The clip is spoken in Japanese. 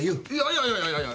いやいやいや。